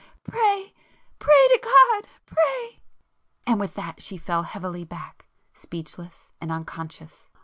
—pray—pray to God,—pray—" And with that she fell heavily back, speechless and unconscious.